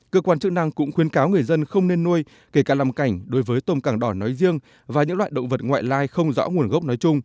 cơ quan chức năng cũng khuyến cáo người dân không nên nuôi kể cả làm cảnh đối với tôm càng đỏ nói riêng và những loại động vật ngoại lai không rõ nguồn gốc nói chung